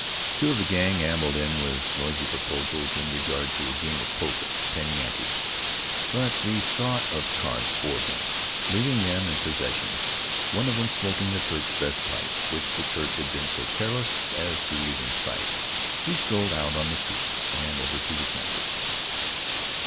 Two of the Gang ambled in with noisy proposals in regard to a game of poker, penny ante, but the thought of cards bored him. Leaving them in possession, one of them smoking the Turk's best pipe, which the Turk had been so careless as to leave in sight, he strolled out on the street and over to the campus.